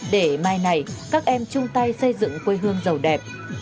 để mai này các em chung tay xây dựng quê hương giàu đẹp